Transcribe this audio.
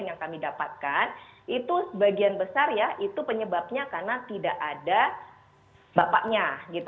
yang kami dapatkan itu sebagian besar ya itu penyebabnya karena tidak ada bapaknya